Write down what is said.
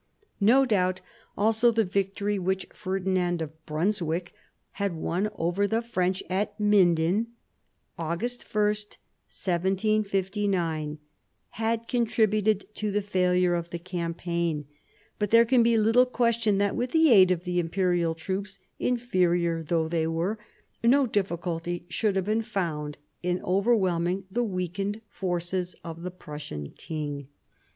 No doubt also the victory which Ferdinand of Brunswick had won over the French at Minden (Aug. 1, 1759) had contributed to the failure of the campaign, but there can be little question that with the aid of the Imperial troops, inferior though they were, no difficulty should have been found in overwhelming the weakened forces of the Prussian king.